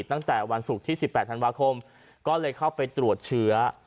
ตั้งแต่วันศุกร์ที่๑๘ธันวาคมก็เลยเข้าไปตรวจเชื้อ